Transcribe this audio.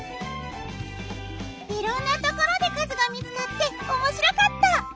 いろんなところでかずがみつかっておもしろかった！